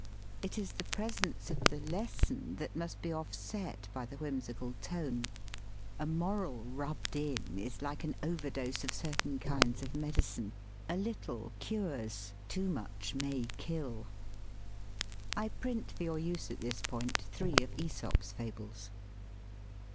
It is the presence of the lesson that must be offset by the whim sical tone. A moral "rubbed in" is like an overdose of certain kinds of medicine. A little cures, too much may kill. I print 107 THE SPEAKING VOICE for your use at this point three of fables.